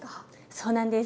そうなんです。